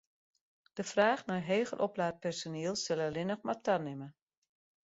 De fraach nei heger oplaat personiel sil allinnich mar tanimme.